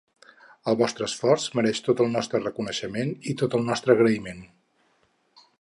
El vostre esforç mereix tot el nostre reconeixement i tot el nostre agraïment.